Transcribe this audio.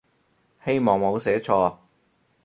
希望冇寫錯